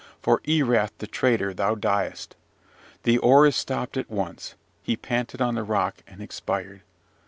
for Erath the traitor thou diest. The oar is stopped at once: he panted on the rock, and expired.